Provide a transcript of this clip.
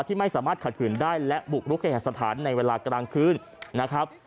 ที่ไม่สามารถขัดขืนได้และบุกรุกเคหสถานในเวลากลางคืนนะครับ